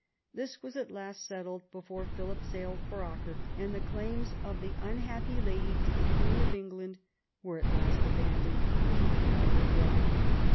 This was at last settled before Philip sailed for Acre, and the claims of the unhappy lady to be queen of England were at last abandoned even by her brother.